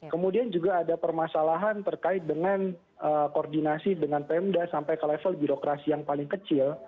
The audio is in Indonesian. kemudian juga ada permasalahan terkait dengan koordinasi dengan pemda sampai ke level birokrasi yang paling kecil